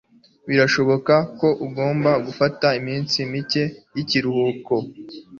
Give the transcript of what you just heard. Birashoboka ko ugomba gufata iminsi mike y'ikiruhuko.